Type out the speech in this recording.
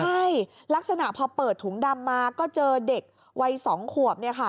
ใช่ลักษณะพอเปิดถุงดำมาก็เจอเด็กวัย๒ขวบเนี่ยค่ะ